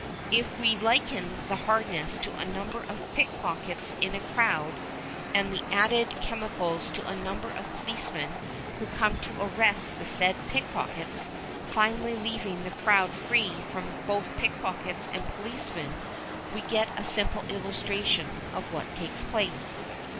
If we liken the hardness to a number of pickpockets in a crowd, and the added chemicals to a number of policemen who come in to arrest the said pickpockets, finally leaving the crowd free from both pickpockets and policemen, we get a simple illustration of what takes place.